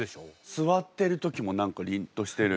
座ってる時も何かりんとしてる。